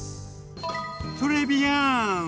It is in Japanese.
トレビアーン！